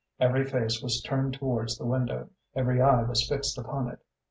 Every face was turned towards the window, every eye was fixed upon it.